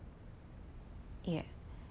いえ